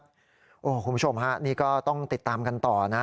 คุณผู้ชมฮะนี่ก็ต้องติดตามกันต่อนะ